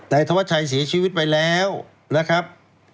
ธวัชชัยเสียชีวิตไปแล้วนะครับ